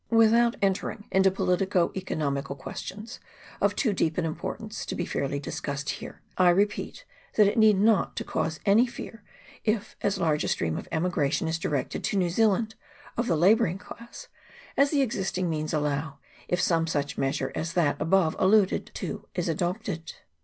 Without enter ing into politico economical questions, of too deep an importance to be fairly discussed here, I repeat that it need not to cause any fear if as large a stream of emigration is directed to New Zealand, of the labouring class, as the existing means allow, if some such measure as that above alluded to is adopted.